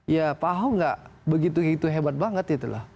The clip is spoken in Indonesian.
ya pak ahok gak begitu begitu hebat banget